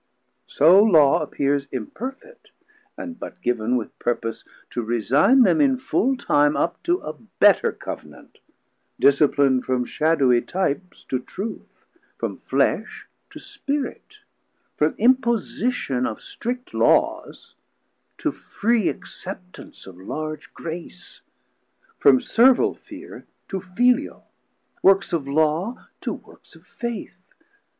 So Law appears imperfet, and but giv'n With purpose to resign them in full time 300 Up to a better Cov'nant, disciplin'd From shadowie Types to Truth, from Flesh to Spirit, From imposition of strict Laws, to free Acceptance of large Grace, from servil fear To filial, works of Law to works of Faith.